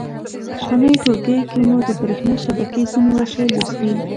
په پخوانیو ټولګیو کې مو د برېښنا د شبکې ځینې وسایل لوستي.